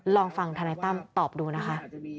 ลองฟังธนายตั้มตอบดูนะคะ